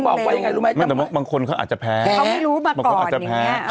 ถึงบอกว่าไงรู้ไหมบางคนเขาอาจจะแพ้เขาไม่รู้มาก่อนอย่างเงี้ย